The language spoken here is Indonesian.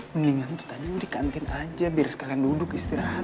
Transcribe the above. mendingan tuh tadi lo di kantin aja biar sekalian duduk istirahat